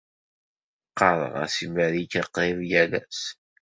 Ɣɣareɣ-as i Marika qrib yal ass.